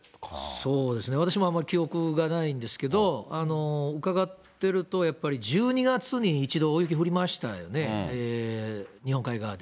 そうですね、私もあんまり記憶がないんですけれども、伺っていると、やっぱり１２月に一度大雪降りましたよね、日本海側で。